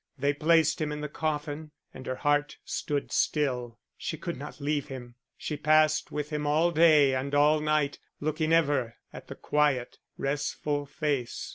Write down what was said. They placed him in the coffin, and her heart stood still: she could not leave him. She passed with him all day and all night, looking ever at the quiet, restful face.